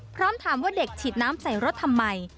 พร้อมถามว่าเด็กฉีดน้ำใส่รถทำไม